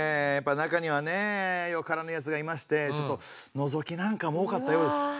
やっぱ中にはねよからぬやつがいましてちょっとのぞきなんかも多かったようです。